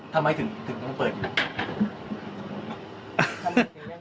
ทำไมถึงต้องเปิดอยู่